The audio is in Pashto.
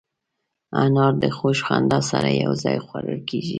انار د خوږ خندا سره یو ځای خوړل کېږي.